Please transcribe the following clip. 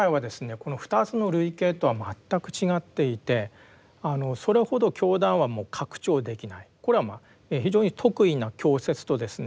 この２つの類型とは全く違っていてそれほど教団はもう拡張できないこれはまあ非常に特異な教説とですね